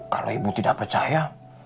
kalau ibu tidak percaya